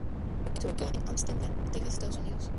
Se ubica en Hempstead, Texas, Estados Unidos.